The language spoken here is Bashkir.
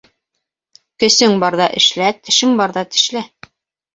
Көсөң барҙа эшлә, тешең барҙа тешлә.